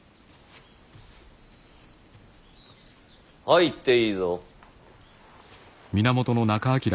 入っていいぞ。